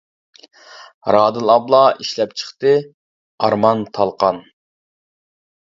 رادىل ئابلا ئىشلەپ چىقتى ئارمان تالقان.